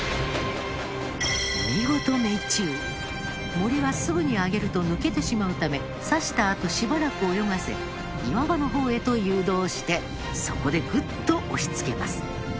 モリはすぐに上げると抜けてしまうため刺したあとしばらく泳がせ岩場の方へと誘導してそこでグッと押しつけます。